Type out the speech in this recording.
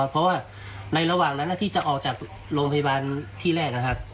เพราะว่าในระหว่างนั้นที่จะออกจากโรงพยาบาลที่แรกนะครับ